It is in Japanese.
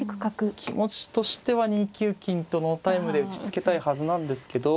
気持ちとしては２九金とノータイムで打ちつけたいはずなんですけど。